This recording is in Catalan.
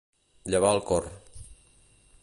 Llevar el cor.